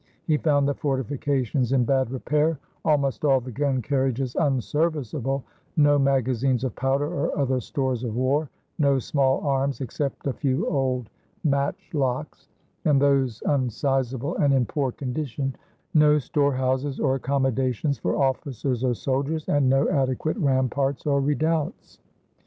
He found the fortifications in bad repair, almost all the gun carriages unserviceable, no magazines of powder or other stores of war, no small arms, except a few old matchlocks, and those unsizable and in poor condition, no storehouses or accommodations for officers or soldiers, and no adequate ramparts or redoubts.